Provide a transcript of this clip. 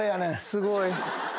すごい。